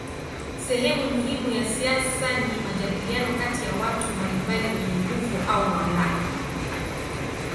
Sehemu muhimu ya siasa ni majadiliano kati ya watu mbalimbali wenye nguvu au mamlaka.